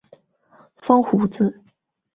风胡子。